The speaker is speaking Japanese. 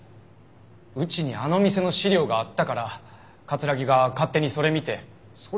うちにあの店の資料があったから木が勝手にそれ見てそれで。